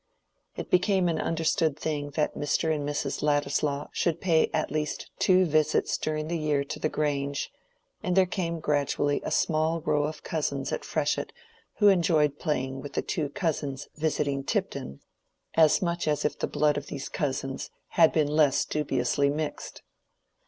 It became an understood thing that Mr. and Mrs. Ladislaw should pay at least two visits during the year to the Grange, and there came gradually a small row of cousins at Freshitt who enjoyed playing with the two cousins visiting Tipton as much as if the blood of these cousins had been less dubiously mixed.